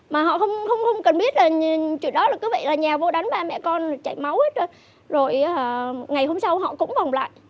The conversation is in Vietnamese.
mà họ không cần biết là chỗ đó là cứ vậy là nhà vô đánh ba mẹ con chạy máu hết rồi ngày hôm sau họ cũng vòng lại